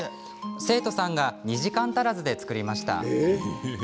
生徒さんが２時間足らずで作りました。